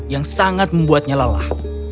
yang sangat membuatnya lalah